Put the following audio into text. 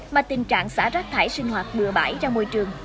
mà tình trạng xả rác thải sinh hoạt bừa bãi ra môi trường